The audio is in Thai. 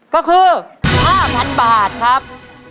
ก็คือ๕๐๐๐บาทครับ